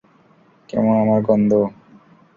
কেমন আমার গন্ধ?